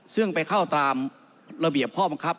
ซึ่งไปเข้าตามระเบียบข้อบังคับ